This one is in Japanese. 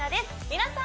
皆さん